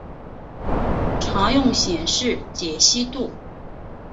常用显示解析度